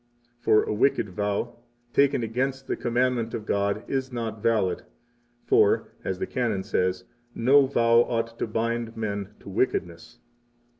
40 For a wicked vow, taken against the commandment of God, is not valid; for (as the Canon says) no vow ought to bind men to wickedness.